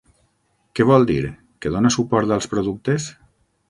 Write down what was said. Què vol dir, que dona suport als productes?